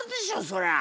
そりゃ！